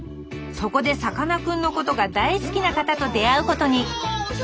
そこでさかなクンのことが大好きな方と出会うことに。